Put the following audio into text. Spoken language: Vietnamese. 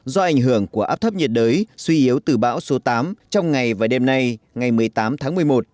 do ảnh hưởng của áp thấp nhiệt đới suy yếu từ bão số tám trong ngày và đêm nay ngày một mươi tám tháng một mươi một